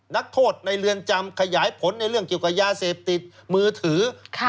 นักโทษในเรือนจำขยายผลในเรื่องเกี่ยวกับยาเสพติดมือถือ